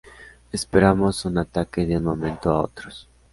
Esperamos un ataque de un momento a otros.